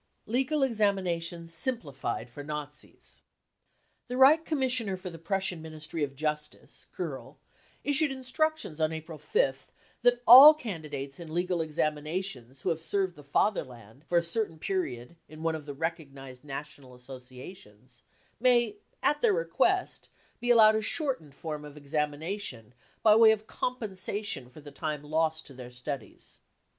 Legal Examinations simplified for Nazis. The Reich Commissioner for the Prussian Ministry of Justice, Kerl, issued instructions on April 5th that all candidates in legal examinations who have served the Fatherland for a certain period in one of the recognised national associations may, at their request, be allowed a shortened form of examination by way of compensation for the time lost to their studies.